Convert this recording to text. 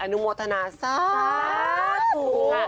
อนุโมทนาซาสุ